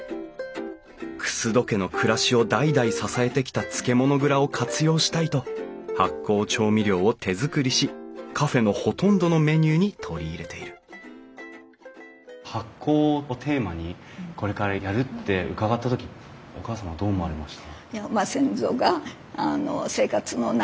楠戸家の暮らしを代々支えてきた漬物蔵を活用したいと発酵調味料を手作りしカフェのほとんどのメニューに取り入れている発酵をテーマにこれからやるって伺った時お義母さんはどう思われました？